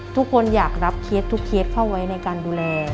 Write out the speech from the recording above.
ทุกคนอยากรับเคสทุกเคสเข้าไว้ในการดูแล